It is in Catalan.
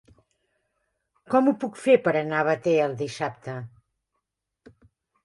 Com ho puc fer per anar a Batea dissabte?